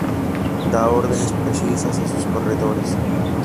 Da ordenes precisas a sus corredores.